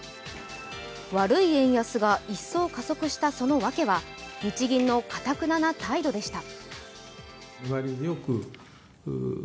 悪い円安が一層加速したその訳は日銀のかたくなな態度でした。